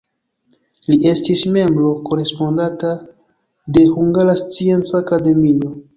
Li estis membro korespondanta de Hungara Scienca Akademio.